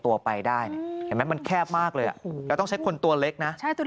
ตัวไปได้มันแคบมากเลยอ่ะแล้วต้องใช้คนตัวเล็กนะใช่ตัว